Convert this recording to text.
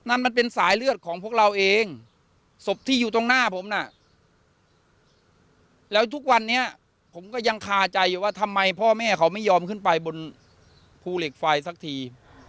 มันเป็นสายเลือดของพวกเราเองศพที่อยู่ตรงหน้าผมน่ะแล้วทุกวันนี้ผมก็ยังคาใจอยู่ว่าทำไมพ่อแม่เขาไม่ยอมขึ้นไปบนภูเหล็กไฟสักที